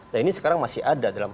nah ini sekarang masih ada dalam